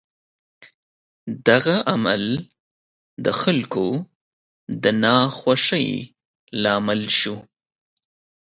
دغه عمل د خلکو د ناخوښۍ لامل شو.